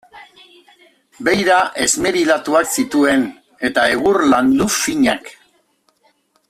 Beira esmerilatuak zituen, eta egur landu finak.